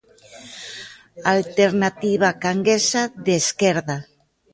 Alternativa Canguesa de Esquerda.